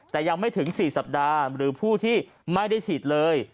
แต่ยังไม่ถึง๔สัปดาห์หรือผู้ที่ไม่ได้ฉีดเลย